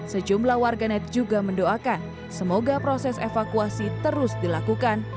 sejumlah warganet juga mendoakan semoga proses evakuasi terus dilakukan